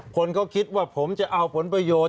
คนเขาคิดว่าผมจะเอาผลประโยชน์